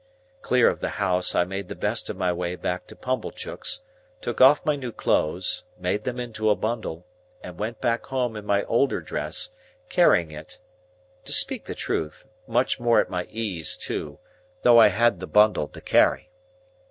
Clear of the house, I made the best of my way back to Pumblechook's, took off my new clothes, made them into a bundle, and went back home in my older dress, carrying it—to speak the truth—much more at my ease too, though I had the bundle to carry.